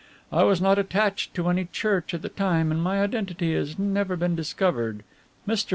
I was not attached to any church at the time and my identity has never been discovered. Mr.